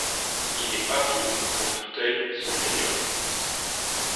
Il est infini pour tout œil sauf pour les myopes.